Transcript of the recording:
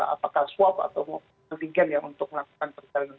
apakah swab atau ketigen untuk melakukan perjalanan